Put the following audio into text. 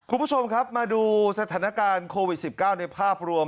คุณผู้ชมครับมาดูสถานการณ์โควิด๑๙ในภาพรวม